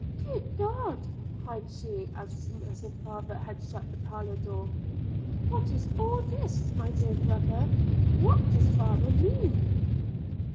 'Good God!' cried she as soon as her father had shut the parlour door, 'what is all this, my dear brother? what does my father mean?'